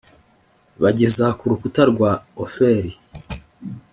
bageza ku rukuta rwa ofeli